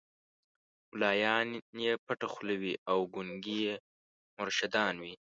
مُلایان یې پټه خوله وي او ګونګي یې مرشدان وي